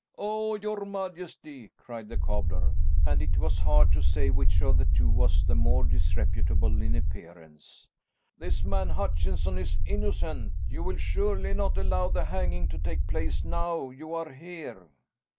"Oh, your majesty!" cried the cobbler, and it was hard to say which of the two was the more disreputable in appearance, "this man Hutchinson is innocent. You will surely not allow the hanging to take place, now you are here."